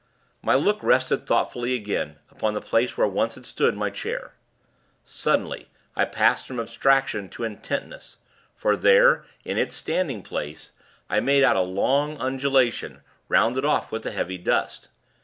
My look rested thoughtfully, again upon the place where once had stood my chair. Suddenly, I passed from abstraction to intentness; for there, in its standing place, I made out a long undulation, rounded off with the heavy dust.